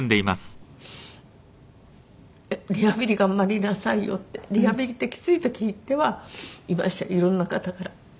「リハビリ頑張りなさいよ」ってリハビリってきついと聞いてはいましたいろんな方から。